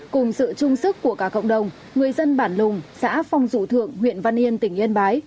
cùng sự trung sức của cả cộng đồng người dân bản lùng xã phong dụ thượng huyện văn yên tỉnh yên bái